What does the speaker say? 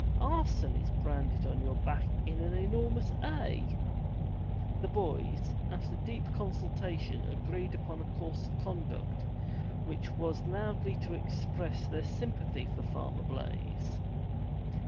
Arson is branded on your back in an enormous A." The boys, after deep consultation agreed upon a course of conduct which was loudly to express their sympathy for Farmer Blaize.